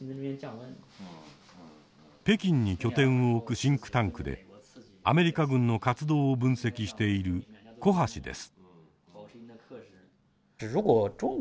北京に拠点を置くシンクタンクでアメリカ軍の活動を分析している胡波氏です。